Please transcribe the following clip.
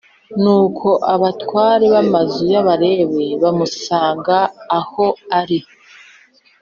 Nuko abatware b amazu y Abalewi bamusanga aho ari